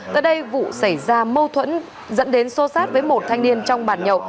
tại đây vũ xảy ra mâu thuẫn dẫn đến xô xát với một thanh niên trong bàn nhậu